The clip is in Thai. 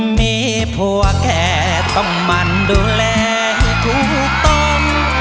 มีผัวแค่ต้องมันดูแลให้ถูกต้อง